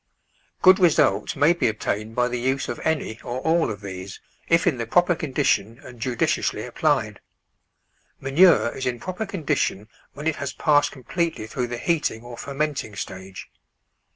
Good results may be obtained by the use of any or all of these, if in the proper condition and judiciously *3 Digitized by Google 24 The Flower Garden [Chapter applied. Manure is in proper condition when it has passed completely through the heating or fermenting stage.